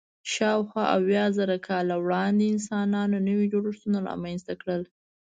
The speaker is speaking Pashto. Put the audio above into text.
شاوخوا اویا زره کاله وړاندې انسانانو نوي جوړښتونه رامنځ ته کړل.